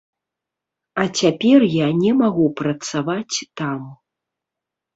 А цяпер я не магу працаваць там.